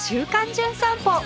じゅん散歩』